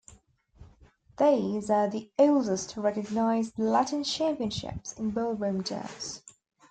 These are the oldest recognised Latin championships in ballroom dance.